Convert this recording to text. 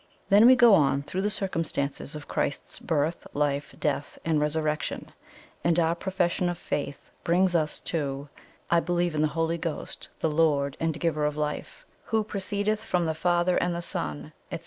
Then we go on through the circumstances of Christ's birth, life, death, and resurrection, and our profession of faith brings us to 'I believe in the Holy Ghost, the Lord and Giver of Life, who proceedeth from the Father and the Son,' etc.